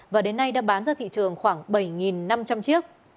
và đến nay đã bán ra thị trường khoảng bảy năm trăm linh chiếc